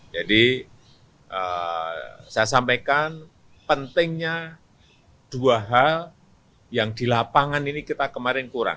saya sampaikan pentingnya dua hal yang di lapangan ini kita kemarin kurang